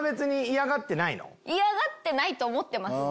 嫌がってないと思ってます。